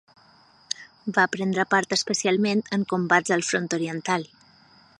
Va prendre part especialment en combats al Front Oriental.